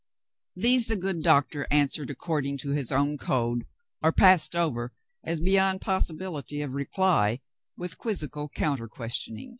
These the good doctor answered according to his own code, or passed over as beyond possibility of reply with quizzical counter questioning.